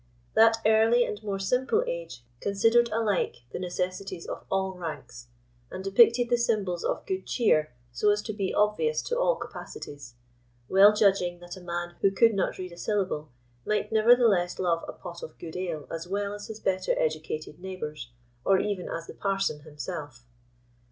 That early and more simple age considered alike the necessities of all ranks, and depicted the symbols of good cheer so as to be obvious to all capacities; well judging that a man who could not read a syllable might nevertheless love a pot of good ale as well as his better educated neighbours, or even as the parson himself.